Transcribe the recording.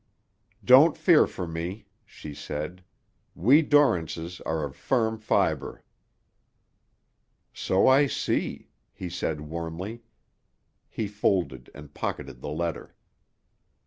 "Don't fear for me," she said. "We Dorrances are of firm fiber." "So I see," he said warmly. He folded and pocketed the letter.